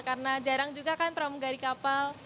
karena jarang juga kan pramugari kapal